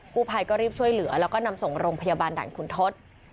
ผู้ภัยก็รีบช่วยเหลือแล้วก็นำส่งโรงพยาบาลด่านขุนทศ